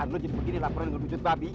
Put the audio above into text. berat beratnya begini laporan ngepet babi